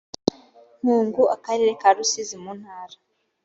nkungu akarere ka rusizi mu ntara